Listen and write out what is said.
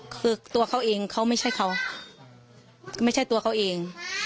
คือตัวเขาเองเขาไม่ใช่เขาไม่ใช่ตัวเขาเอง